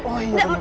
oh iya bener